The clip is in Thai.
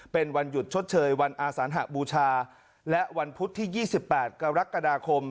เป็นวันหยุดชดเชยวันอาสานหบูชาและวันพุธที่๒๘กรกฎาคม